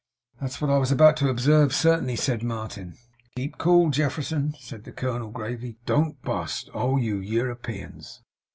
'That's what I was about to observe, certainly,' said Martin. 'Keep cool, Jefferson,' said the colonel gravely. 'Don't bust! oh you Europeans!